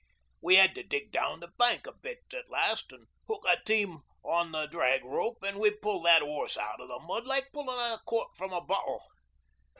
We 'ad to dig down the bank a bit at last an' hook a team on the drag rope, an' we pulled that 'orse out o' the mud like pullin' a cork from a bottle.